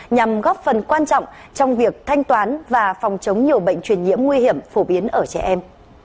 nhằm góp phần quan trọng trong việc thanh toán và phòng chống nhiều bệnh truyền nhiễm nguy hiểm phổ biến ở trẻ em